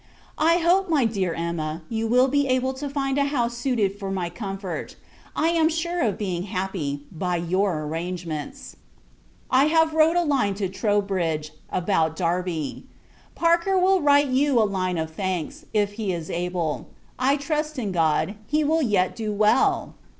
I hope, my dear Emma, you will be able to find a house suited for my comfort. I am sure of being HAPPY, by your arrangements. I have wrote a line to Troubridge, about Darby. Parker will write you a line of thanks, if he is able. I trust in God, he will yet do well!